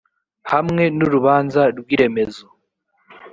hamwe n urubanza rw iremezo